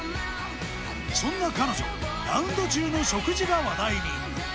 そんな彼女、ラウンド中の食事が話題に。